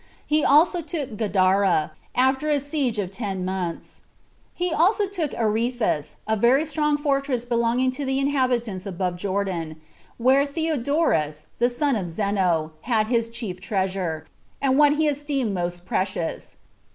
He also took Gadara, after a siege of ten months. He took also Areathus, a very strong fortress belonging to the inhabitants above Jordan, where Theodorus, the son of Zeno, had his chief treasure, and what he esteemed most precious.